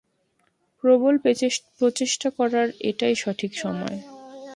প্রবল প্রচেষ্টা করার এটাই সঠিক সময়।